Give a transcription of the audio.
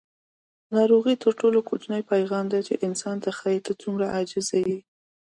ناروغي تر ټولو کوچنی پیغام دی چې انسان ته ښایي: ته څومره عاجزه یې.